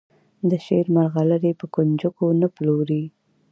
د شعر مرغلرې په کونجکو نه پلوري.